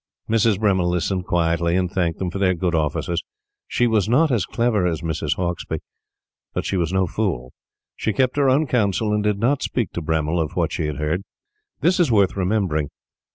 Mrs. Bremmil listened quietly, and thanked them for their good offices. She was not as clever as Mrs. Hauksbee, but she was no fool. She kept her own counsel, and did not speak to Bremmil of what she had heard. This is worth remembering.